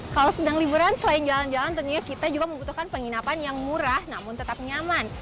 kalau sedang liburan selain jalan jalan tentunya kita juga membutuhkan penginapan yang murah namun tetap nyaman